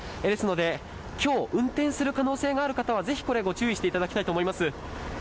ですので今日、運転する可能性がある方は、ぜひ注意していただきたいと思います。